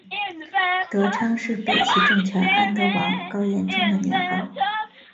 德昌是北齐政权安德王高延宗的年号。